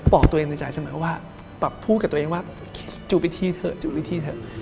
ก็บอกตัวเองในใจทั่วมือว่าพูดกับตัวเองว่าจูบอีกทึ่เถอะ